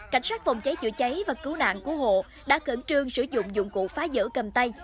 cảnh sát phòng cháy chữa cháy và cứu nạn cứu hộ đã khẩn trương sử dụng dụng cụ phá dỡ cầm tay